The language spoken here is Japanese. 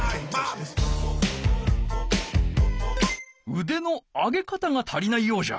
うでの上げ方が足りないようじゃ。